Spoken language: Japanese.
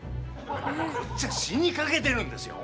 こっちは死にかけてるんですよ